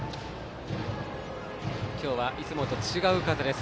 今日はいつもと違う風です。